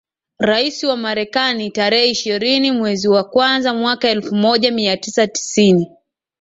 rais wa Marekani tarehe ishirini mwezi wa kwanza mwaka elfu moja mia tisa tisini